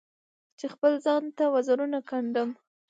چې خپل ځان ته وزرونه ګنډم